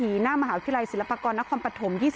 หน้ามหาวิทยาลัยศิลปากรนครปฐม